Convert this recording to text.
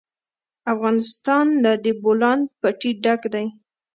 افغانستان له د بولان پټي ډک دی.